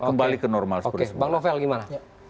kembali ke normal seperti bang novel gimana